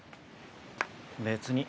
別に。